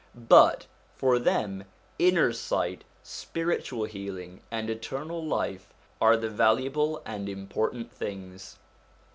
But for them inner sight, spiritual healing, and eternal life are the valuable and important things.